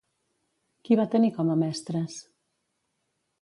Qui va tenir com a mestres?